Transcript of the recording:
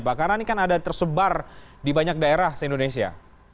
karena ini kan ada tersebar di banyak daerah di indonesia